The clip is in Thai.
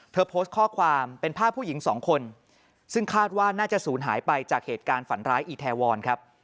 โพสต์ข้อความเป็นภาพผู้หญิงสองคนซึ่งคาดว่าน่าจะศูนย์หายไปจากเหตุการณ์ฝันร้ายอีแทวรครับ